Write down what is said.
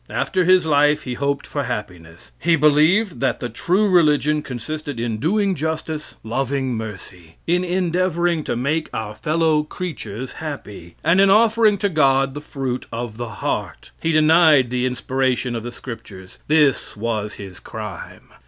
After his life he hoped for happiness. He believed that true religion consisted in doing justice, loving mercy; in endeavoring to make our fellow creatures happy, and in offering to God the fruit of the heart. He denied the inspiration of the scriptures. This was his crime.